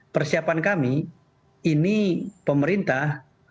persiapan kami ini pemerintah